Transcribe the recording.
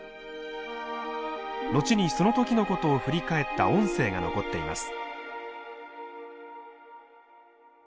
後にその時のことを振り返った音声が残っています。